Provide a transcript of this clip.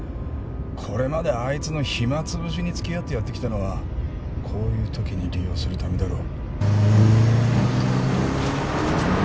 これまであいつの暇つぶしに付き合ってやってきたのはこういうときに利用するためだろ。